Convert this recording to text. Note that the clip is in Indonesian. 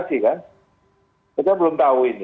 kita belum tahu ini